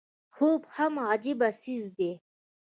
خوب هم عجيبه څيز دی